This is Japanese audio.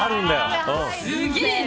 すげえな。